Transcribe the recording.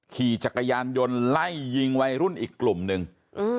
ขี่จักรยานยนต์ไล่ยิงวัยรุ่นอีกกลุ่มหนึ่งอืม